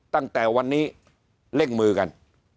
ตั้งแต่วันนี้เร่งมือกัน